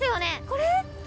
これ？